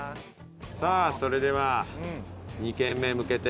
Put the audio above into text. さあそれでは。